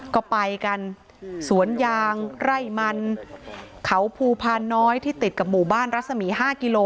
ก็ไปกันสวนยางไร่มันเขาภูพาน้อยที่ติดกับหมู่บ้านรัศมี๕กิโล